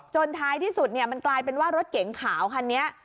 ท้ายที่สุดมันกลายเป็นว่ารถเก๋งขาวคันนี้